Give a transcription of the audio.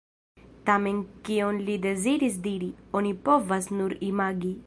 Tamen kion li deziris diri, oni povas nur imagi.